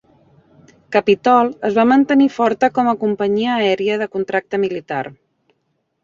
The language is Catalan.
Capitol es va mantenir forta com a companyia aèria de contracte militar.